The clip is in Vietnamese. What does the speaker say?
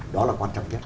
đó là quan trọng nhất